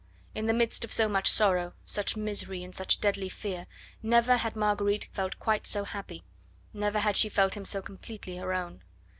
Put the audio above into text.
In the midst of so much sorrow, such misery and such deadly fear, never had Marguerite felt quite so happy, never had she felt him so completely her own.